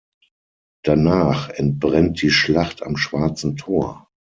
Danach entbrennt die Schlacht am Schwarzen Tor.